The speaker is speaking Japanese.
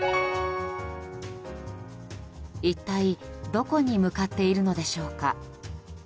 一体、どこに向かっているのでしょうか。